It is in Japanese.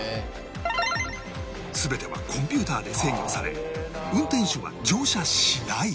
全てはコンピュータで制御され運転手は乗車しない